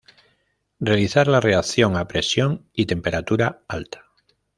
Realizar la reacción a presión y temperatura alta.